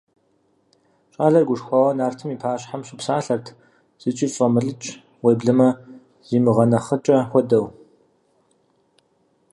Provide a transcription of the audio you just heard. ЩӀалэр гушхуауэ нартым и пащхьэм щыпсалъэрт, зыкӀи фӀэмылӀыкӀ, уеблэмэ зимыгъэнэхъыкӀэ хуэдэу.